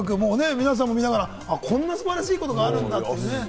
皆さんも見ながら、こんな素晴らしいことがあるんだというね。